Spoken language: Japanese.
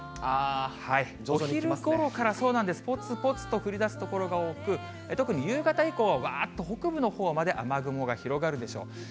お昼ごろから、そうなんです、ぽつぽつと降りだす所が多く、特に夕方以降はわーっと北部のほうまで雨雲が広がるでしょう。